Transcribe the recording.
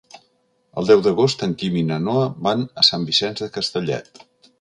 El deu d'agost en Guim i na Noa van a Sant Vicenç de Castellet.